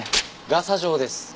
ガサ状です。